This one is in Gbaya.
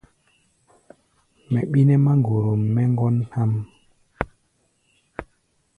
Mɛ ɓí nɛ́ máŋgorom mɛ́ ŋgɔ́n há̧ʼm.